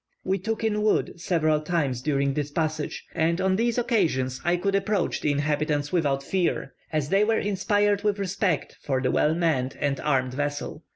We took in wood several times during the passage, and on these occasions I could approach the inhabitants without fear, as they were inspired with respect for the well manned and armed vessel.